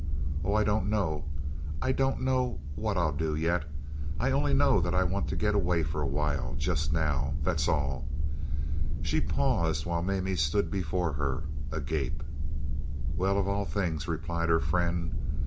"Oh, I don't know; I don't know what I'll do yet. I only know that I want to get away for a while, just now—that's all." She paused, while Mamie stood before her, agape. "Well, of all things," replied her friend.